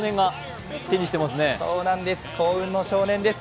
幸運の少年です。